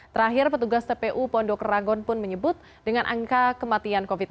terakhir petugas tpu pondok ranggon pun menyebut dengan angka kematian covid sembilan belas